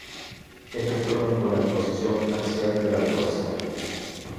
Estos chocan con la disposición axial de la decoración.